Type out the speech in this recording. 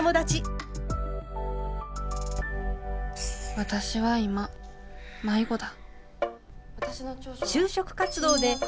私は今迷子だ。